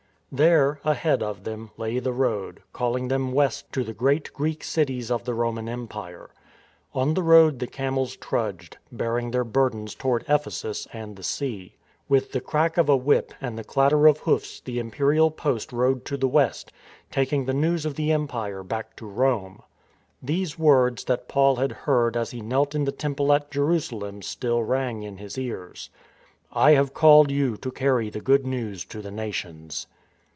There, ahead of them, lay the road, calhng them west to the great Greek cities of the Roman Empire. 178 THE FORWARD TREAD On the road the camels trudged, bearing their burdens toward Ephesus and the sea. With the crack of a whip and the clatter of hoofs the Imperial Post rode to the west, taking the news of the empire back to Rome. These words that Paul had heard as he knelt in the Temple at Jerusalem still rang in his ears. " I have called you to carry the Good News to the Nations."